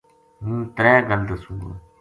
ہوں ترے گل دسوں گو